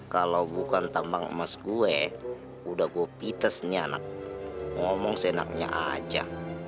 kalau bukan tambang emas gue udah gue pites nih anak ngomong senangnya aja